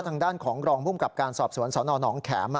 ทางด้านของรองภูมิกับการสอบสวนสนหนองแข็ม